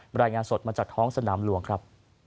รายงานสดมาจากท้องสนามหลวงครับ